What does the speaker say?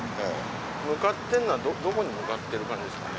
向かってるのはどこに向かってる感じですかね？